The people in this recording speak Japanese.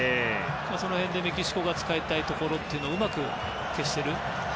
その辺でメキシコが使いたいところをうまく消している。